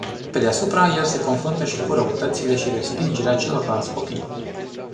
Pe deasupra, el se confruntă și cu răutățile și respingerea celorlalți copii.